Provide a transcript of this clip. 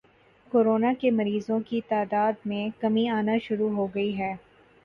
corona کے مریضوں کی تعداد میں کمی آنی شروع ہو گئی ہے